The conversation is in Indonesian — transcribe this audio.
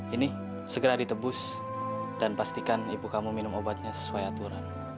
ini segera ditebus dan pastikan ibu kamu minum obatnya sesuai aturan